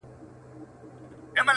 سپرلي حُسن ګلاب رنګ ترې زکات غواړي،